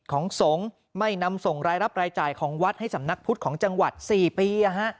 ของสงฆ์ไม่นำส่งรายรับรายจ่ายของวัดให้สำนักพุทธของจังหวัด๔ปี